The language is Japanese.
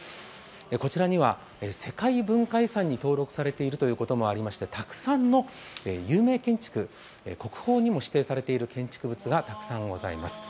こちらには、世界文化遺産に登録されているということもありましてたくさんの有名建築、国宝にも指定されている建築がたくさんございます。